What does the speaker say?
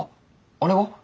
あれは？